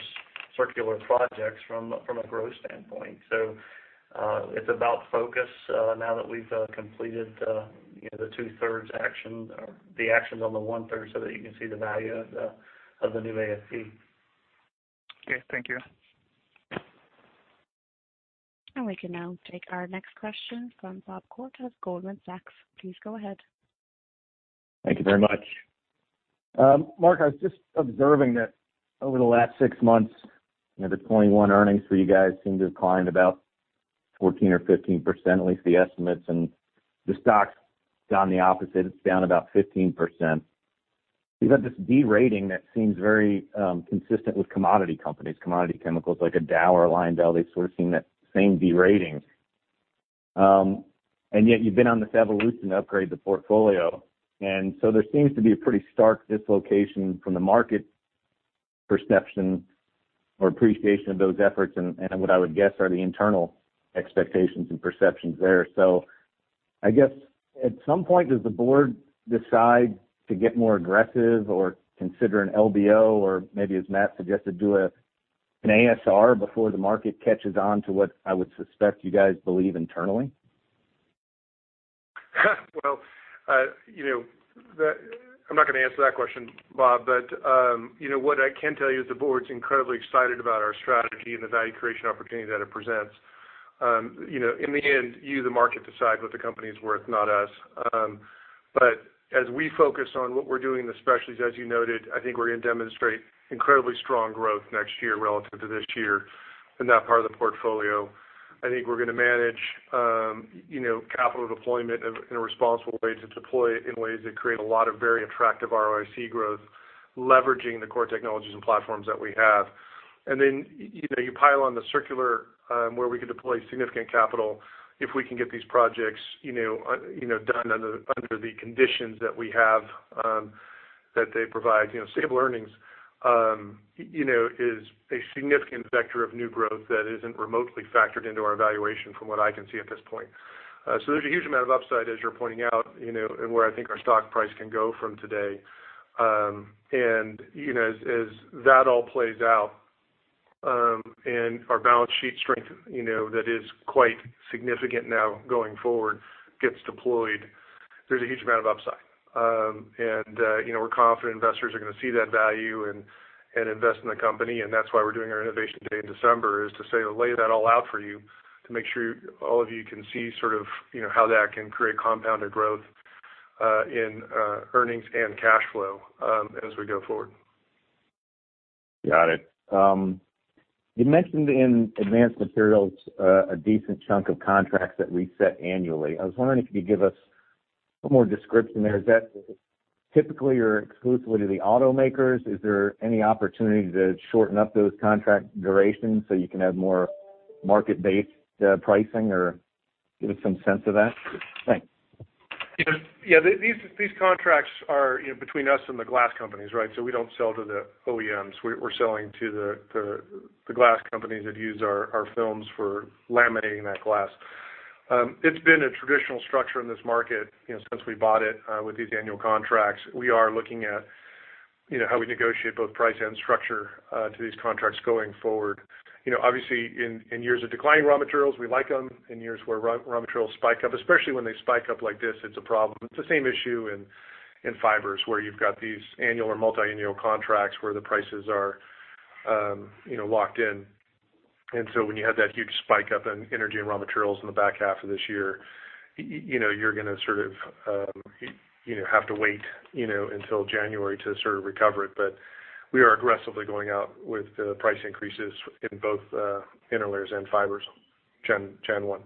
circular projects from a growth standpoint. It's about focus now that we've completed, you know, the two-thirds action or the actions on the one-third, so that you can see the value of the new AFP. Okay. Thank you. We can now take our next question from Robert Koort, Goldman Sachs. Please go ahead. Thank you very much. Mark, I was just observing that over the last six months, you know, the 21 earnings for you guys seem to have climbed about 14 or 15%, at least the estimates, and the stock's gone the opposite. It's down about 15%. You've had this B rating that seems very consistent with commodity companies, commodity chemicals like a Dow or a LyondellBasell. They sort of seem that same B rating. Yet you've been on this evolution to upgrade the portfolio. There seems to be a pretty stark dislocation from the market perception or appreciation of those efforts and what I would guess are the internal expectations and perceptions there. I guess at some point, does the board decide to get more aggressive or consider an LBO or maybe as Matt suggested, do an ASR before the market catches on to what I would suspect you guys believe internally? Well, you know, I'm not gonna answer that question, Bob, but, you know what I can tell you is the board's incredibly excited about our strategy and the value creation opportunity that it presents. You know, in the end, you, the market decide what the company is worth, not us. But as we focus on what we're doing, especially as you noted, I think we're gonna demonstrate incredibly strong growth next year relative to this year in that part of the portfolio. I think we're gonna manage, you know, capital deployment in a responsible way to deploy it in ways that create a lot of very attractive ROIC growth, leveraging the core technologies and platforms that we have. You know, you pile on the circular, where we can deploy significant capital if we can get these projects, you know, done under the conditions that we have that they provide. You know, stable earnings is a significant vector of new growth that isn't remotely factored into our evaluation from what I can see at this point. There's a huge amount of upside, as you're pointing out, you know, in where I think our stock price can go from today. You know, as that all plays out, and our balance sheet strength, you know, that is quite significant now going forward gets deployed, there's a huge amount of upside. You know, we're confident investors are gonna see that value and invest in the company. That's why we're doing our Innovation Day in December, lay that all out for you to make sure all of you can see sort of, you know, how that can create compounded growth in earnings and cash flow as we go forward. Got it. You mentioned in Advanced Materials a decent chunk of contracts that reset annually. I was wondering if you could give us a more description there. Is that typically or exclusively the automakers? Is there any opportunity to shorten up those contract durations so you can have more market-based pricing, or give us some sense of that? Thanks. Yeah, these contracts are between us and the glass companies, right? We don't sell to the OEMs. We're selling to the glass companies that use our films for laminating that glass. It's been a traditional structure in this market, you know, since we bought it, with these annual contracts. We are looking at, you know, how we negotiate both price and structure to these contracts going forward. You know, obviously in years of declining raw materials, we like them. In years where raw materials spike up, especially when they spike up like this, it's a problem. It's the same issue in fibers, where you've got these annual or multi-annual contracts where the prices are, you know, locked in. When you have that huge spike up in energy and raw materials in the back half of this year, you know, you're gonna sort of, you know, have to wait, you know, until January to sort of recover it. We are aggressively going out with the price increases in both interlayers and fibers gen one.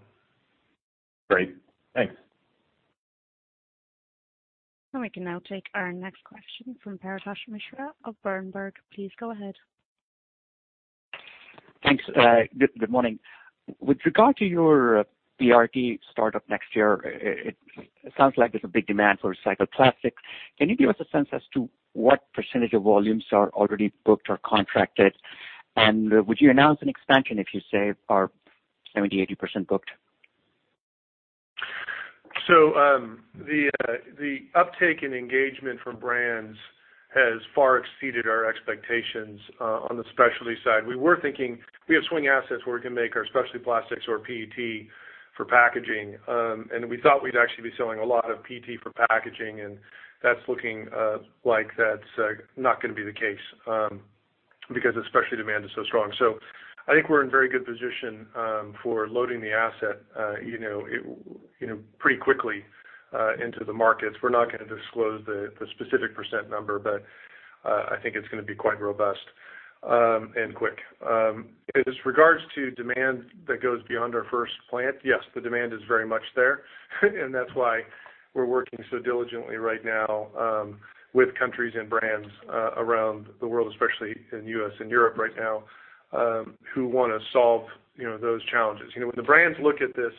Great. Thanks. We can now take our next question from Paritosh Mishra of Bernstein. Please go ahead. Thanks. Good morning. With regard to your PRT startup next year, it sounds like there's a big demand for recycled plastic. Can you give us a sense as to what percentage of volumes are already booked or contracted? Would you announce an expansion if you say are 70% to 80% booked? The uptake in engagement from brands has far exceeded our expectations on the specialty side. We were thinking we have swing assets where we can make our specialty plastics or PET for packaging. We thought we'd actually be selling a lot of PET for packaging, and that's looking like it's not gonna be the case because the specialty demand is so strong. I think we're in very good position for loading the asset, you know, pretty quickly into the markets. We're not gonna disclose the specific percent number, but I think it's gonna be quite robust and quick. As regards to demand that goes beyond our first plant, yes, the demand is very much there. That's why we're working so diligently right now with countries and brands around the world, especially in US and Europe right now, who wanna solve, you know, those challenges. You know, when the brands look at this,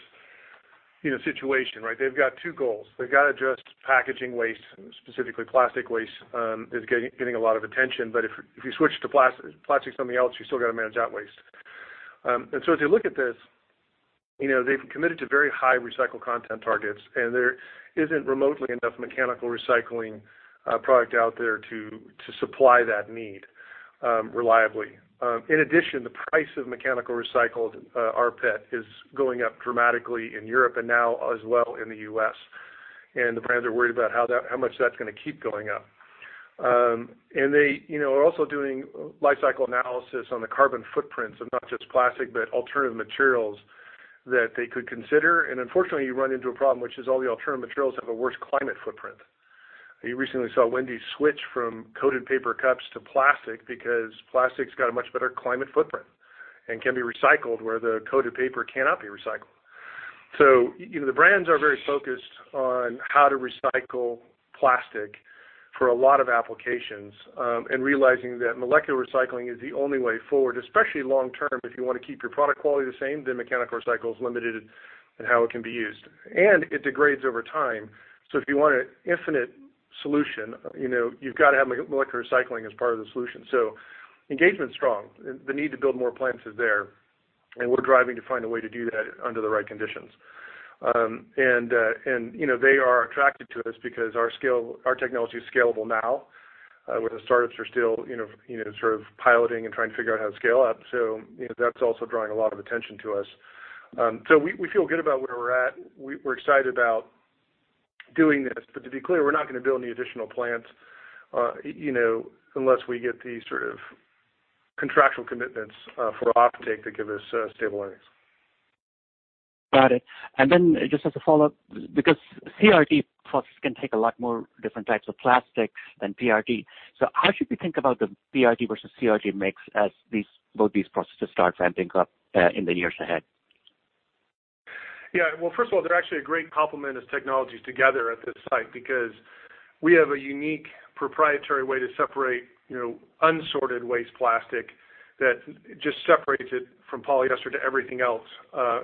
you know, situation, right? They've got two goals. They've got to address packaging waste, specifically, plastic waste is getting a lot of attention. If you switch to plastic something else, you still got to manage that waste. As you look at this, you know, they've committed to very high recycled content targets, and there isn't remotely enough mechanical recycling product out there to supply that need reliably. In addition, the price of mechanically recycled rPET is going up dramatically in Europe and now as well in the US The brands are worried about how much that's gonna keep going up. They, you know, are also doing life cycle analysis on the carbon footprints of not just plastic, but alternative materials that they could consider. Unfortunately, you run into a problem, which is all the alternative materials have a worse climate footprint. You recently saw Wendy's switch from coated paper cups to plastic because plastic's got a much better climate footprint and can be recycled where the coated paper cannot be recycled. The brands are very focused on how to recycle plastic for a lot of applications, and realizing that molecular recycling is the only way forward, especially long term. If you want to keep your product quality the same, then mechanical recycle is limited in how it can be used, and it degrades over time. If you want an infinite solution, you know, you've got to have molecular recycling as part of the solution. Engagement's strong. The need to build more plants is there, and we're driving to find a way to do that under the right conditions. You know, they are attracted to us because our scale, our technology is scalable now, where the startups are still, you know, sort of piloting and trying to figure out how to scale up. That's also drawing a lot of attention to us. We feel good about where we're at. We're excited about doing this. To be clear, we're not going to build any additional plants, you know, unless we get these sort of contractual commitments for offtake to give us a stable earnings. Got it. Just as a follow-up, because CRT process can take a lot more different types of plastic than PRT, so how should we think about the PRT versus CRT mix as both these processes start ramping up in the years ahead? Yeah. Well, first of all, they're actually a great complement as technologies together at this site because we have a unique proprietary way to separate, you know, unsorted waste plastic that just separates it from polyester to everything else,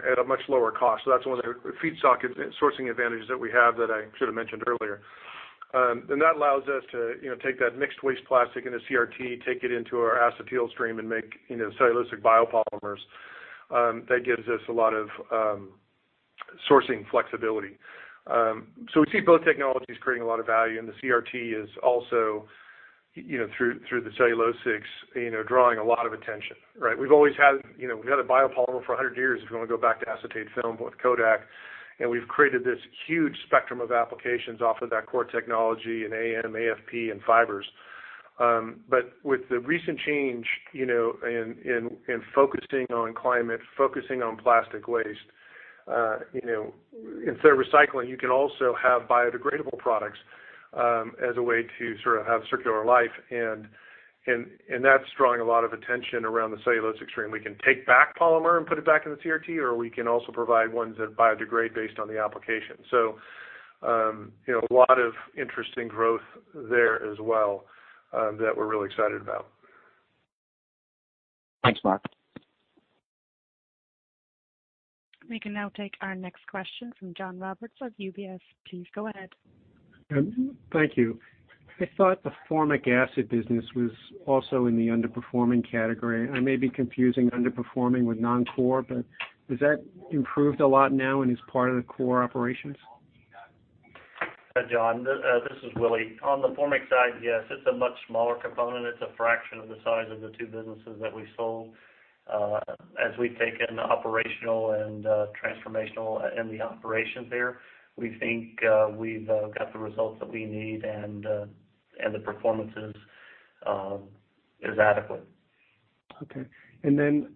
at a much lower cost. That's one of the feedstock sourcing advantages that we have that I should have mentioned earlier. That allows us to, you know, take that mixed waste plastic in a CRT, take it into our acetyl stream and make, you know, cellulosic biopolymers. That gives us a lot of sourcing flexibility. We see both technologies creating a lot of value. The CRT is also, you know, through the cellulosics, you know, drawing a lot of attention, right? We've always had, you know, a biopolymer for 100 years if you want to go back to acetate film with Kodak, and we've created this huge spectrum of applications off of that core technology in AM, AFP, and fibers. With the recent change, you know, in focusing on climate, focusing on plastic waste, you know, instead of recycling, you can also have biodegradable products as a way to sort of have circular life. That's drawing a lot of attention around the cellulosic stream. We can take back polymer and put it back in the CRT, or we can also provide ones that biodegrade based on the application. You know, a lot of interesting growth there as well that we're really excited about. Thanks, Mark. We can now take our next question from John Roberts of UBS. Please go ahead. Thank you. I thought the formic acid business was also in the underperforming category. I may be confusing underperforming with non-core. Has that improved a lot now and is part of the core operations? John, this is Willie. On the formic side, yes, it's a much smaller component. It's a fraction of the size of the two businesses that we sold. As we've taken operational and transformational in the operations there, we think we've got the results that we need and the performance is adequate. Okay.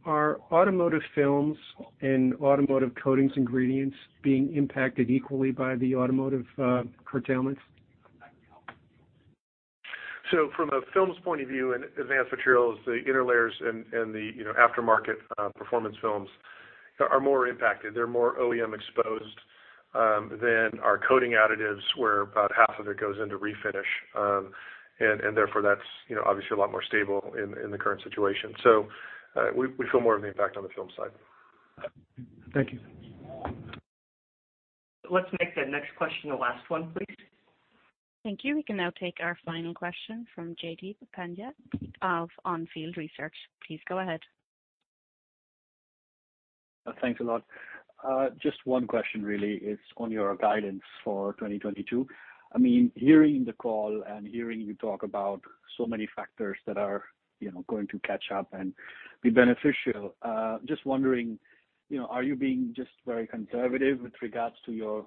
Are automotive films and automotive coatings ingredients being impacted equally by the automotive curtailments? From the films' point of view in Advanced Materials, the interlayers and the you know aftermarket Performance Films are more impacted. They're more OEM exposed than our coating additives, where about half of it goes into refinish. Therefore, that's you know obviously a lot more stable in the current situation. We feel more of an impact on the film side. Thank you. Let's make the next question the last one, please. Thank you. We can now take our final question from JD Pandya of Onfield Research. Please go ahead. Thanks a lot. Just one question really is on your guidance for 2022. I mean, hearing the call and hearing you talk about so many factors that are, you know, going to catch up and be beneficial, just wondering, you know, are you being just very conservative with regards to your,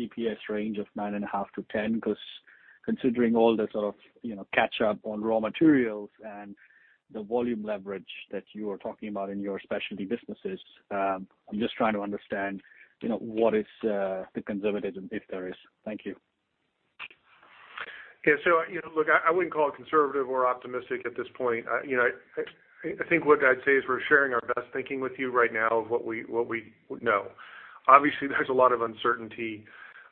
EPS range of $9.5 to 10? Because considering all the sort of, you know, catch up on raw materials and the volume leverage that you are talking about in your specialty businesses, I'm just trying to understand, you know, what is the conservatism, if there is. Thank you. Yeah. You know, look, I wouldn't call it conservative or optimistic at this point. You know, I think what I'd say is we're sharing our best thinking with you right now of what we know. Obviously, there's a lot of uncertainty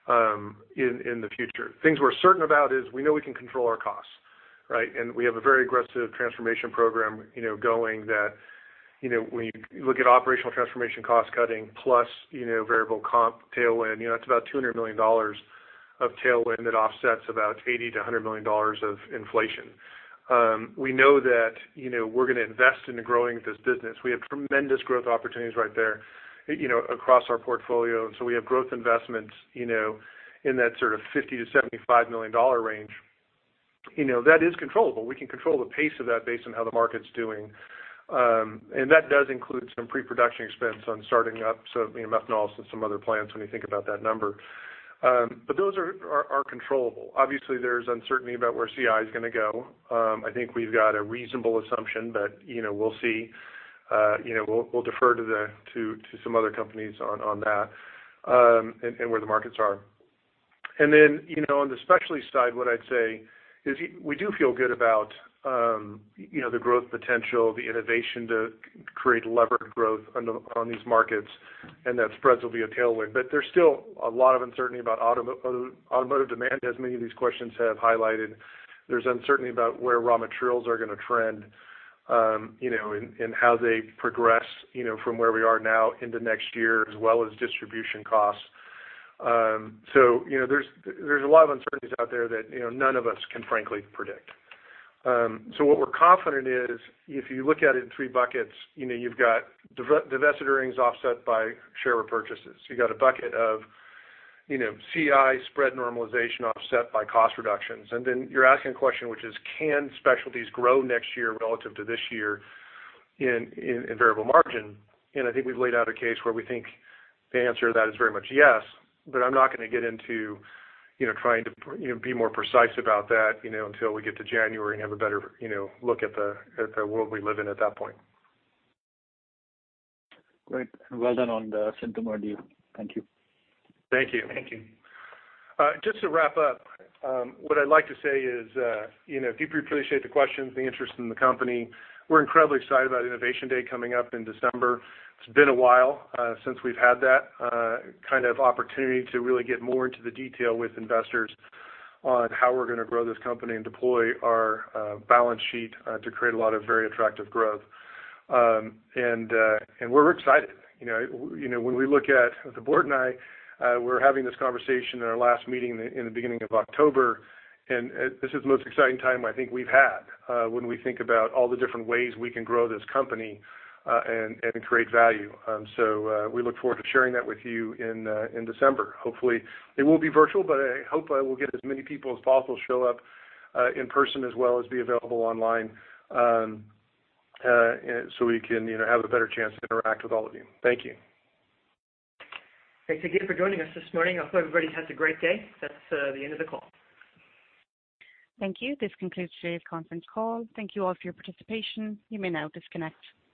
in the future. Things we're certain about is we know we can control our costs, right? We have a very aggressive transformation program, you know, going that, you know, when you look at operational transformation, cost cutting, plus, you know, variable comp tailwind, you know, that's about $200 million of tailwind that offsets about $80 to 100 million of inflation. We know that, you know, we're going to invest in growing this business. We have tremendous growth opportunities right there, you know, across our portfolio. We have growth investments, you know, in that sort of $50 to 75 million range. You know, that is controllable. We can control the pace of that based on how the market's doing. That does include some preproduction expense on starting up. Methanol and some other plants when you think about that number. But those are controllable. Obviously, there's uncertainty about where CI is gonna go. I think we've got a reasonable assumption, but, you know, we'll see. You know, we'll defer to some other companies on that and where the markets are. You know, on the specialty side, what I'd say is we do feel good about you know, the growth potential, the innovation to create levered growth on these markets, and that spreads will be a tailwind. There's still a lot of uncertainty about automotive demand, as many of these questions have highlighted. There's uncertainty about where raw materials are gonna trend, you know, and how they progress, you know, from where we are now into next year, as well as distribution costs. You know, there's a lot of uncertainties out there that, you know, none of us can frankly predict. What we're confident is if you look at it in three buckets, you know, you've got divested earnings offset by share repurchases. You got a bucket of, you know, CI spread normalization offset by cost reductions. You're asking a question which is, can specialties grow next year relative to this year in variable margin? I think we've laid out a case where we think the answer to that is very much yes. I'm not gonna get into, you know, trying to, you know, be more precise about that, you know, until we get to January and have a better, you know, look at the world we live in at that point. Great. Well done on the Crystex deal. Thank you. Thank you. Thank you. Just to wrap up, what I'd like to say is, you know, I deeply appreciate the questions, the interest in the company. We're incredibly excited about Innovation Day coming up in December. It's been a while since we've had that kind of opportunity to really get more into the detail with investors on how we're gonna grow this company and deploy our balance sheet to create a lot of very attractive growth. We're excited. You know, when we look at the board and I, we're having this conversation in our last meeting in the beginning of October, and this is the most exciting time I think we've had when we think about all the different ways we can grow this company and create value. We look forward to sharing that with you in December. Hopefully, it will be virtual, but I hope I will get as many people as possible show up in person as well as be available online, so we can, you know, have a better chance to interact with all of you. Thank you. Thanks again for joining us this morning. I hope everybody has a great day. That's the end of the call. Thank you. This concludes today's conference call. Thank you all for your participation. You may now disconnect.